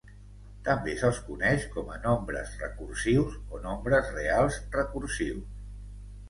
També se'ls coneix com a nombres recursius o nombres reals recursius.